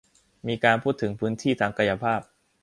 มีการพูดถึงพื้นที่ทางกายภาพ